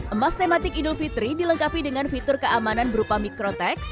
emas tematik idul fitri dilengkapi dengan fitur keamanan berupa mikrotex